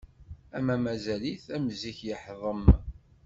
Ama mazal-it am zik yeḥḍem.